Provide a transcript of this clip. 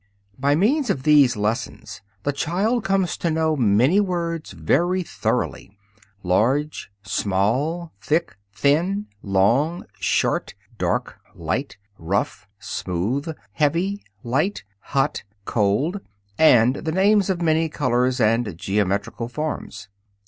By means of these lessons the child comes to know many words very thoroughly large, small; thick, thin; long, short; dark, light; rough, smooth; heavy, light; hot, cold; and the names of many colors and geometrical forms.